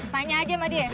tanya aja sama dia